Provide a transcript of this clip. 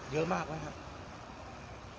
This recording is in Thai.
เยอะมากไหมครับ